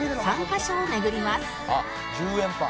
「あっ１０円パン」